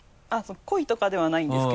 濃いとかではないんですけど。